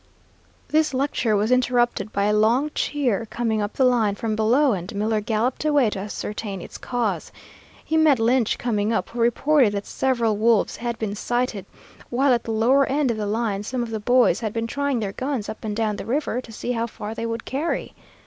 This lecture was interrupted by a long cheer coming up the line from below, and Miller galloped away to ascertain its cause. He met Lynch coming up, who reported that several wolves had been sighted, while at the lower end of the line some of the boys had been trying their guns up and down the river to see how far they would carry.